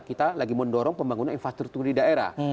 kita lagi mendorong pembangunan infrastruktur di daerah